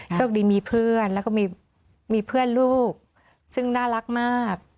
โชคดีมีเพื่อนแล้วก็มีเพื่อนลูกซึ่งน่ารักมาก